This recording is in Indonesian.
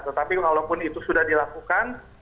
tetapi walaupun itu sudah dilakukan